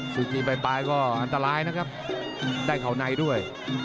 จริงปลายก็อันตรายนะครับได้เขาในด้วย